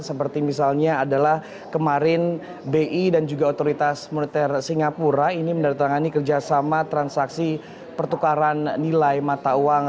seperti misalnya adalah kemarin bi dan juga otoritas moneter singapura ini menandatangani kerjasama transaksi pertukaran nilai mata uang